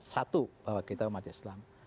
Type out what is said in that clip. satu bahwa kita umat islam